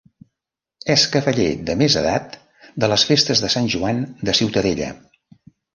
És cavaller de més edat de les Festes de Sant Joan de Ciutadella.